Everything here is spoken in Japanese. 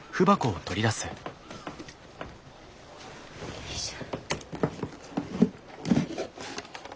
よいしょ。